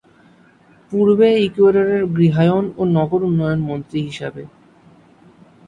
পূর্বে ইকুয়েডরের গৃহায়ন ও নগর উন্নয়ন মন্ত্রী হিসাবে।